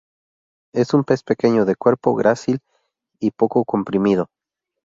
Es un pez pequeño de cuerpo grácil y poco comprimido.